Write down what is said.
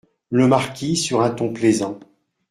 Le Marquis , sur un ton plaisant.